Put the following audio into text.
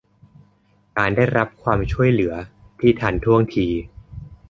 การได้รับความช่วยเหลือที่ทันท่วงที